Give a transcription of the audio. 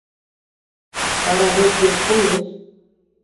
Вара лекгыч коеш?